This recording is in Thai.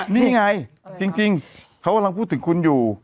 นี่ไงจริงเขากำลังพูดถึงคุณอยู่